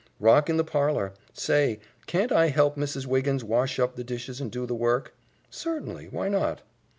"Rock in the parlor. Say, can't I help Mrs. Wiggins wash up the dishes and do the work?" "Certainly, why not?"